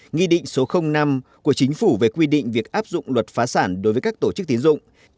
nghị định số năm của chính phủ về quy định việc áp dụng luật phá sản đối với các tổ chức tiến dụng